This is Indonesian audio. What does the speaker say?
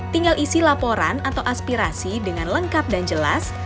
tinggal isi laporan atau aspirasi dengan lengkap dan jelas